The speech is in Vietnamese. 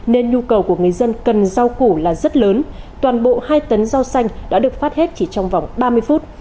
nên nhu cầu của người dân cần rau củ là rất lớn toàn bộ hai tấn rau xanh đã được phát hết chỉ trong vòng ba mươi phút